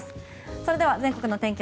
それでは全国のお天気